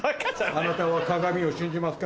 あなたは鏡を信じますか？